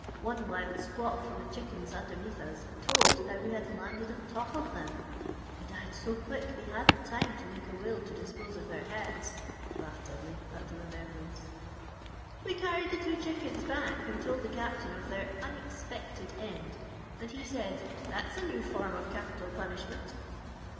One wild squawk from the chickens underneath us told how we had landed on top of them. They died so quick they hadn't time to make a will to dispose of their heads," laughed Dudley, at the remembrance. "We carried the two chickens back and told the Captain of their unexpected end, and he said, 'That's a new form of capital punishment.